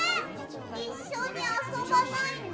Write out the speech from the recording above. いっしょにあそばないの？